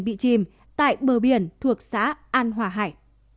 bị chìm tại bờ biển thuộc xã an hòa hải